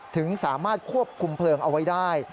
ถึงสามารถควบคุมเพลิงเอาไว้ได้